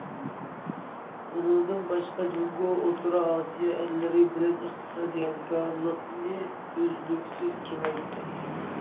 ئۇنىڭدىن باشقا، جۇڭگو ئوتتۇرا ئاسىيا ئەللىرى بىلەن ئىقتىسادىي ھەمكارلىقنى ئۈزلۈكسىز كېڭەيتتى.